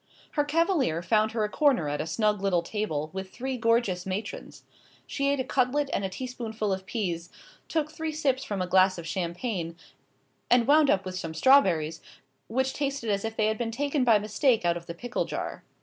Her cavalier found her a corner at a snug little table with three gorgeous matrons. She ate a cutlet and a teaspoonful of peas, took three sips from a glass of champagne, and wound up with some strawberries, which tasted as if they had been taken by mistake out of the pickle jar.